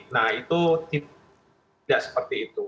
nah itu tidak seperti itu